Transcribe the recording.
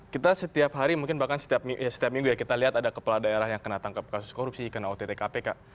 kita setiap hari mungkin bahkan setiap minggu ya kita lihat ada kepala daerah yang kena tangkap kasus korupsi kena ott kpk